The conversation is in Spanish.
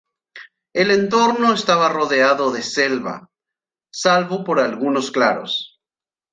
El entorno estaba rodeado de selva, salvo por algunos claros.